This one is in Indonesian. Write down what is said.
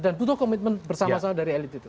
dan butuh komitmen bersama sama dari elit itu